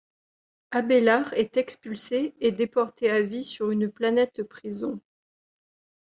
Abélard est expulsé et déporté à vie sur une planète-prison.